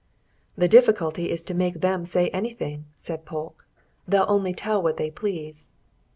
"The difficulty is to make them say anything," said Polke. "They'll only tell what they please."